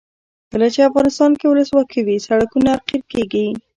کله چې افغانستان کې ولسواکي وي سړکونه قیر کیږي.